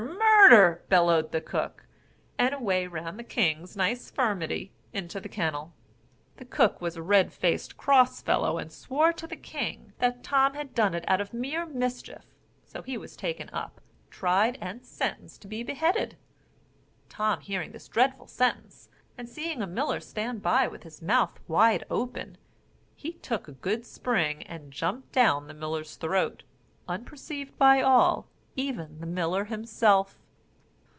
murder!" bellowed the cook! and away ran the king's nice firmity into the kennel. The cook was a red faced, cross fellow, and swore to the king, that Tom had done it out of mere mischief; so he was taken up, tried, and sentenced to be beheaded. Tom hearing this dreadful sentence, and seeing a miller stand by with his mouth wide open, he took a good spring, and jumped down the miller's throat, unperceived by all, even by the miller himself.